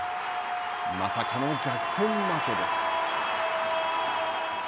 まさかの逆転負けです。